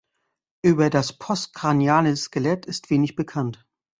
Über das postcraniale Skelett ist wenig bekannt.